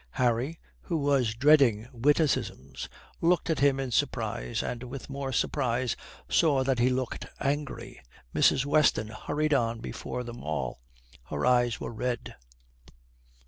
Harry, who was dreading witticisms, looked at him in surprise, and with more surprise saw that he looked angry. Mrs. Weston hurried on before them all. Her eyes were red.